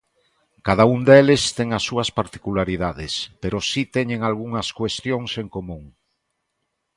Cada un deles ten a súas particularidades, pero si teñen algunhas cuestións en común.